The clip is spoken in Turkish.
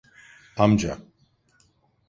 Amca.